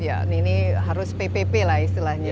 ya ini harus ppp lah istilahnya